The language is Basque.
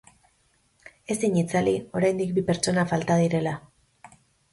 Ezin itzali, oriandik bi pertsona falta direla.